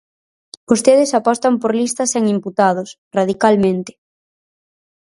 Vostedes apostan por listas sen imputados, radicalmente.